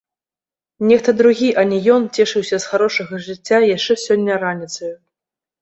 Нехта другі, а не ён цешыўся з харошага жыцця яшчэ сёння раніцою.